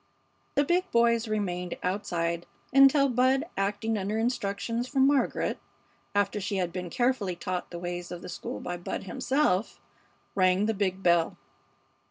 The big boys remained outside until Bud, acting under instructions from Margaret after she had been carefully taught the ways of the school by Bud himself rang the big bell.